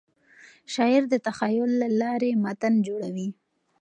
شاعر د تخیل له لارې متن جوړوي.